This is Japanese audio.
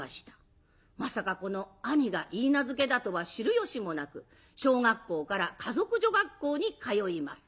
まさかこの兄が許嫁だとは知るよしもなく小学校から華族女学校に通います。